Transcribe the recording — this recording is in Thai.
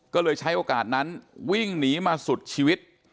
ก็เลยใช้โอกาสนั้นวิ่งหนีมาสุดชีวิต